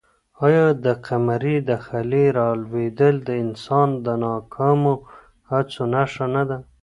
آیا د قمرۍ د خلي رالوېدل د انسان د ناکامو هڅو نښه نه ده؟